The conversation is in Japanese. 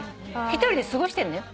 一人で過ごしてんのよ。